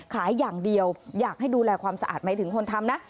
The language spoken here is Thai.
ขายอย่างเดียวอยากให้ดูแลความสะอาดหมายถึงคนทำนะ